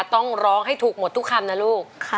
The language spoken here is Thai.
ต้องร้องให้ถูกหมดทุกคำนะลูก